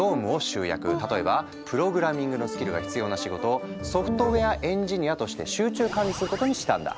例えばプログラミングのスキルが必要な仕事をソフトウェアエンジニアとして集中管理することにしたんだ。